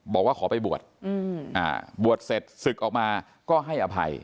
บอกว่าขอไปบวชบวชเสร็จศึกออกมาก็ให้อภัย